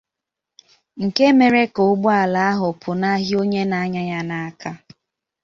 nke mere ka ụgbọala ahụ pụnahị onye na-anya ya n'aka